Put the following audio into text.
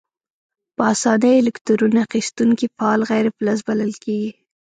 په آساني الکترون اخیستونکي فعال غیر فلز بلل کیږي.